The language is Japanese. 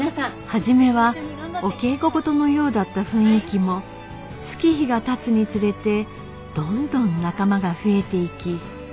初めはお稽古事のようだった雰囲気も月日が経つにつれてどんどん仲間が増えていき